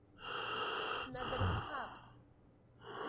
Снадырԥхап.